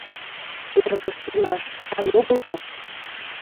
— Эрыкыште илаш сай огыл мо?